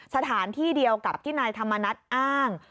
สถานที่เดียวกับที่นายธรรมนัฐอ้าง